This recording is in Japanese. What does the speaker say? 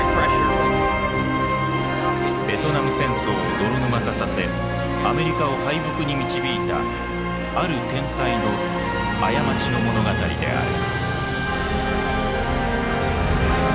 ベトナム戦争を泥沼化させアメリカを敗北に導いたある天才の過ちの物語である。